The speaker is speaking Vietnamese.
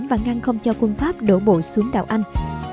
và ngăn không cho quân pháp đổ bộ xuống đảo anh